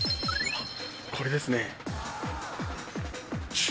これですね。